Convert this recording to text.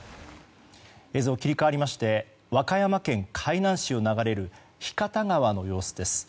映像切り替わりまして和歌山県海南市を流れる日方川の様子です。